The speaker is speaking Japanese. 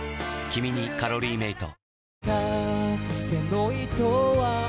「君にカロリーメイト」